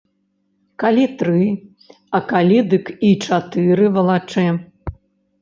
Калі тры, а калі дык і чатыры валачэ.